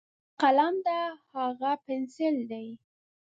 دا قلم ده، هاغه پینسل ده.